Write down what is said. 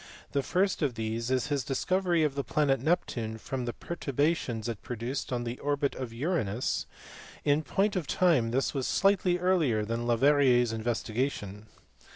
The first of these is his discovery of the planet Neptune from the perturbations it produced on the orbit of Uranus : in point of time this was slightly earlier than Leverrier s investigation.